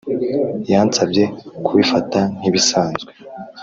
Yansabye kubifata nk’ibisanzwe